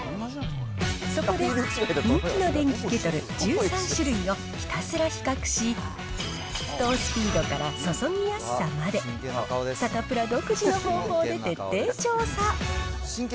そこで、人気の電気ケトル１３種類をひたすら比較し、沸騰スピードから注ぎやすさまで、サタプラ独自の方法で徹底調査。